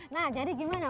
nah jadi gimana